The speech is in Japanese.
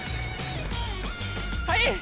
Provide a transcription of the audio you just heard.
はい。